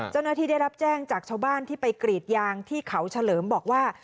เจ้าหน้าที่ได้รับแจ้งจากชาวบ้านที่ไปกรีดยางที่เขาเฉลิมบอกว่า